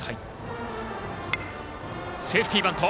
セーフティーバント。